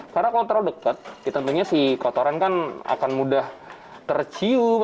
karena kalau terlalu dekat tentunya kotoran akan mudah tercium